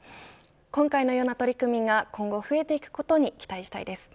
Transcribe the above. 今回のような取り組みが今後、増えていくことに期待したいです。